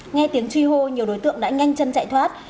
nghe tiếng truy hô nhiều đối tượng đã nhanh chân chạy thoát